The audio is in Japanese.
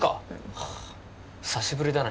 はあ久しぶりだな